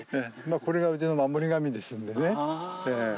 これがうちの守り神ですんでね。